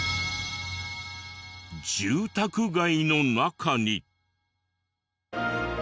住宅街の中に。